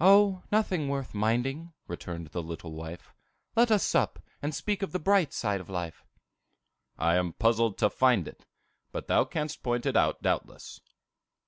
"O, nothing worth minding," returned the little wife. "Let us sup, and speak of the bright side of life." "I am puzzled to find it; but thou canst point it out doubtless."